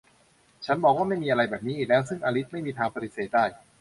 ฉันบอกว่า ไม่มีอะไรแบบนี้อีกแล้ว ซึ่งอลิซไม่มีทางปฏิเสธได้